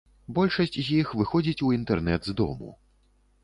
Большасць з іх выходзіць у інтэрнэт з дому.